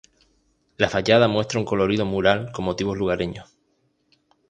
La fachada muestra un colorido mural con motivos lugareños.